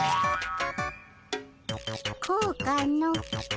こうかの？